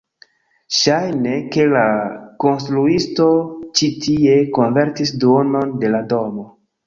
Ŝajne, ke la konstruisto ĉi tie konvertis duonon de la domo